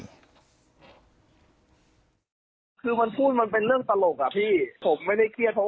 คือมันพูดมันเป็นเรื่องตลกอ่ะพี่ผมไม่ได้เครียดเพราะ